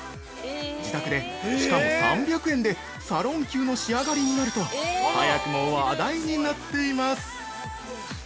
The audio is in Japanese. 自宅で、しかも３００円でサロン級の仕上がりになると早くも話題になっています。